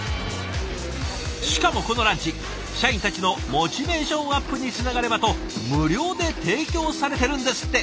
しかもこのランチ社員たちのモチベーションアップにつながればと無料で提供されてるんですって！